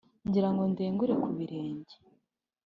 ngira ngo ndengure ku birenge